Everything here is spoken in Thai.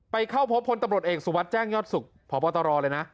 ไปเข้าพบพนตำรวจเอกสุวัสดิ์แจ้งยอดศุกร์พตลเลยนะ